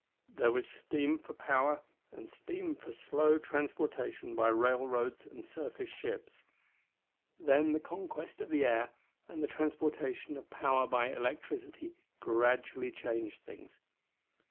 There was steam for power and steam for slow transportation by railroads and surface ships. Then the conquest of the air, and the transportation of power by electricity, gradually changed things.